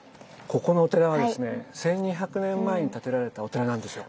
ここのお寺はですね１，２００年前に建てられたお寺なんですよ。